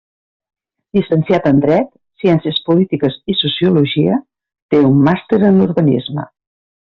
Llicenciat en Dret, Ciències Polítiques i Sociologia; té un màster en urbanisme.